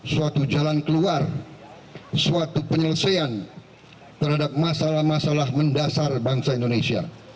suatu jalan keluar suatu penyelesaian terhadap masalah masalah mendasar bangsa indonesia